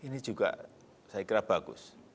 ini juga saya kira bagus